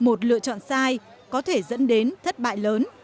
một lựa chọn sai có thể dẫn đến thất bại lớn